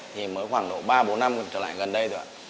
thì mới khoảng độ ba bốn năm trở lại gần đây rồi